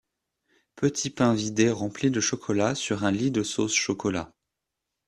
Petit pain vidé remplie de chocolat sur un lit de sauce chocolat.